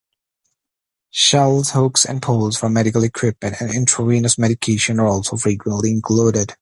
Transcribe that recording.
Shelves, hooks and poles for medical equipment and intravenous medication are also frequently included.